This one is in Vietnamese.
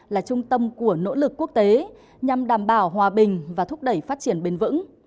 là trung tâm của nỗ lực quốc tế nhằm đảm bảo hòa bình và thúc đẩy phát triển bền vững